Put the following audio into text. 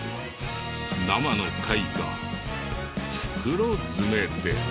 生の貝が袋詰めで。